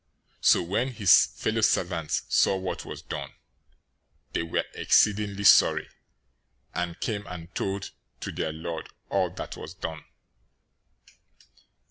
018:031 So when his fellow servants saw what was done, they were exceedingly sorry, and came and told to their lord all that was done.